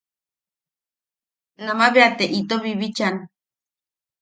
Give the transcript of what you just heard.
Nama bea te ito bibichan.